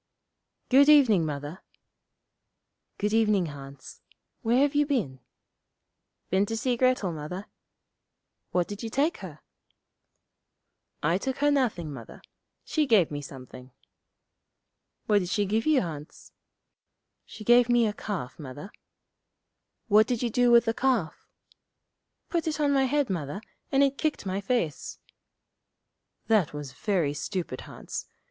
'Good evening, Mother.' 'Good evening, Hans. Where have you been?' 'Been to see Grettel, Mother.' 'What did you take her?' 'I took her nothing, Mother. She gave me something.' 'What did she give you, Hans?' 'She gave me a calf, Mother.' 'What did you do with the calf?' 'Put it on my head, Mother, and it kicked my face.' 'That was very stupid, Hans.